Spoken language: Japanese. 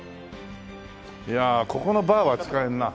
いやここのバーは使えるな。